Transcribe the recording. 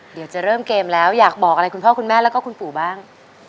เดี๋ยวจะเริ่มเกมแล้วอยากบอกอะไรคุณพ่อคุณแม่แล้วก็คุณปู่บ้าง